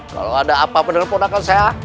kalau ada apa apa dengan ponakan saya